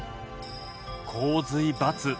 「洪水×」。